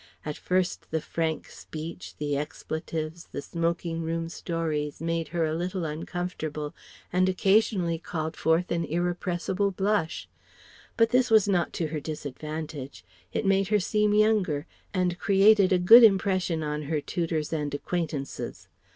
At first the frank speech, the expletives, the smoking room stories made her a little uncomfortable and occasionally called forth an irrepressible blush. But this was not to her disadvantage. It made her seem younger, and created a good impression on her tutors and acquaintances.